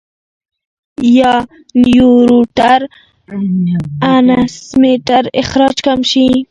يا نيوروټرانسميټر اخراج کم شي -